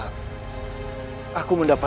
dan jangan lupa